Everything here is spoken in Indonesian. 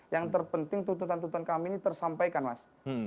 yang terpenting tuntutan tuntutan kami ini tersampaikan mas